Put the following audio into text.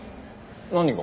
何が？